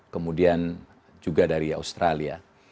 kemudian juga dari australia